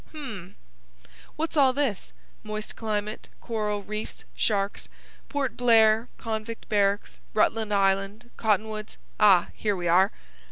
Hum! hum! What's all this? Moist climate, coral reefs, sharks, Port Blair, convict barracks, Rutland Island, cottonwoods—Ah, here we are.